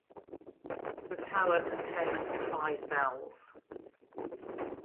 The tower contains five bells.